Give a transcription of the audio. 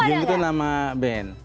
jiung itu nama ben